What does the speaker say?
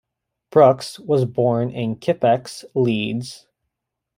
Brookes was born in Kippax, Leeds.